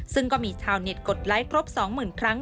ซึ่งก็มีชาวเน็ตกดไลค์ครบสองหมื่นครั้ง